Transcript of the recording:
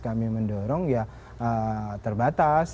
kami mendorong ya terbatas